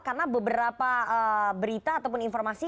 karena beberapa berita ataupun informasi